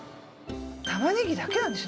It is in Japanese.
玉ねぎだけなんですよ